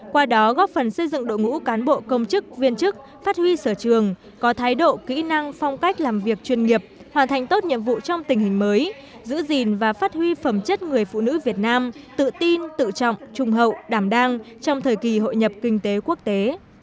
qua đó góp phần xây dựng đội ngũ cán bộ công chức viên chức phát huy sở trường có thái độ kỹ năng phong cách làm việc chuyên nghiệp hoàn thành tốt nhiệm vụ trong tình hình mới giữ gìn và phát huy phẩm chất người phụ nữ việt nam tự tin tự trọng trung hậu đảm đang trong thời kỳ hội nhập kinh tế quốc tế